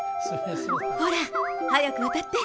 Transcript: ほら、早く渡って。